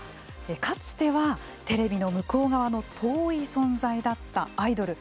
かつてはテレビの向こう側の遠い存在だったアイドル。